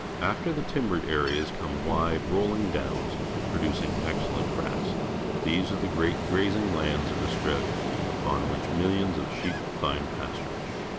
After the timbered areas come wide, roll ing downs, producing excellent grass. These are the great grazing lands of Australia, upon which millions of sheep find pastur age.